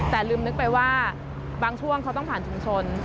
แต่ลืมนึกไปว่าบางช่วงเขาต้องผ่านชุมชน